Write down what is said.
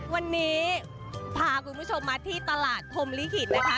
วันนี้พาคุณผู้ชมมาที่ตลาดพรมลิขิตนะคะ